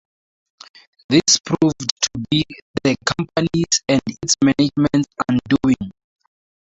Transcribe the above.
This proved to be the Company's and its Management's undoing.